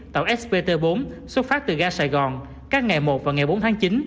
tàu spt bốn xuất phát từ ga sài gòn các ngày một và ngày bốn tháng chín